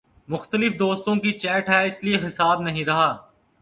مختلف دوستوں کی چیٹ ہے اس لیے حساب نہیں رہا